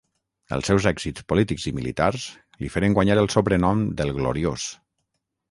Els seus èxits polítics i militars li feren guanyar el sobrenom del Gloriós.